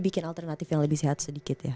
bikin alternatif yang lebih sehat sedikit ya